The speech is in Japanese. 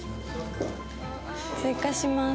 追加します。